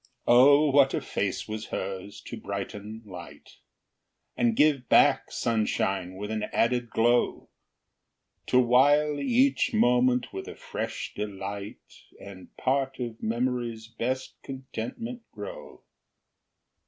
VI. O, what a face was hers to brighten light, And give back sunshine with an added glow, To wile each moment with a fresh delight, And part of memory's best contentment grow!